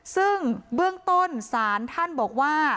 ซึ่งเบื้องต้นศาลท่านบอกว่า